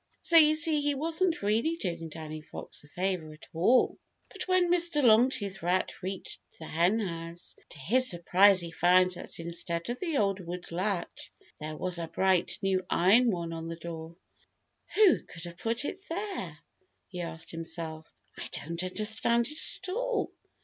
So you see he wasn't really doing Danny Fox a favor at all. But when Mr. Longtooth Rat reached the Henhouse, to his surprise he found that instead of the old wooden latch there was a bright new iron one on the door. "Who could have put it there?" he asked himself. "I don't understand it at all.